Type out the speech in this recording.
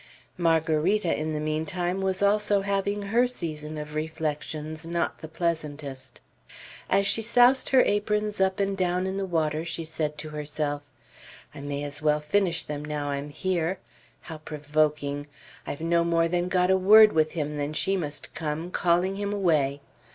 Margarita, in the mean time, was also having her season of reflections not the pleasantest. As she soused her aprons up and down in the water, she said to herself, "I may as well finish them now I am here. How provoking! I've no more than got a word with him, than she must come, calling him away.